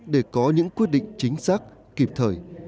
để có những quyết định chính xác kịp thời